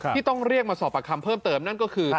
ที่ต้องเรียกมาสอบประคำเพิ่มเติมนั่นก็คือ